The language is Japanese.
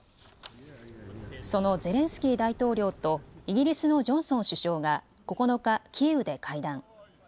そのゼレンスキー大統領とイギリスのジョンソン首相が９日、キーウで会談。